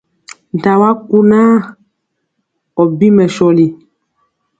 Nta wa kunaa ɔ bi mɛsɔli!